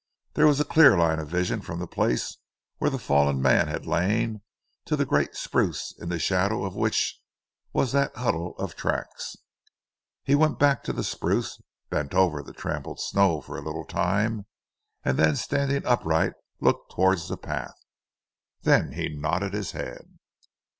There was a clear line of vision from the place where the fallen man had lain to the great spruce in the shadow of which was that huddle of tracks. He went back to the spruce, bent over the trampled snow for a little time, and then standing upright looked towards the path. Then he nodded his head.